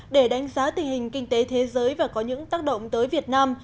để đánh giá tình hình kinh tế thế giới và có những tác động tới việt nam